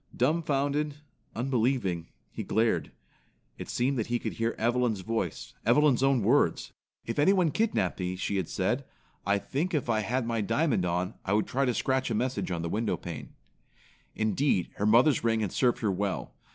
Dumfounded, unbelieving, he glared. It seemed that he could hear Evelyn's voice, Evelyn's own words. "If anyone kidnapped me," she had said, "I think if I had my diamond on I would try to scratch a message on the window pane." Indeed, her mother's ring had served her well.